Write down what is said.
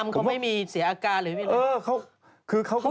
อ๋อเขาไม่มีเสียอากาศหรืออะไร